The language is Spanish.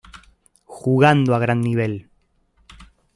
Jugando a gran nivel.